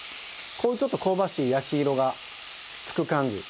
こういうちょっと香ばしい焼き色がつく感じ。